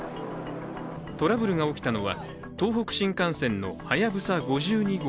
トラブルが起きたのは東北新幹線の「はやぶさ５２号」